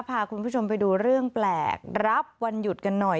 พาคุณผู้ชมไปดูเรื่องแปลกรับวันหยุดกันหน่อย